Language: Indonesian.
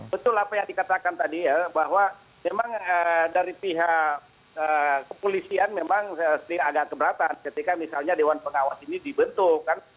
betul apa yang dikatakan tadi ya bahwa memang dari pihak kepolisian memang agak keberatan ketika misalnya dewan pengawas ini dibentuk kan